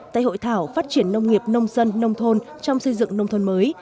tại hội thảo phát triển nông nghiệp nông dân nông thôn trong xây dựng nông thôn mới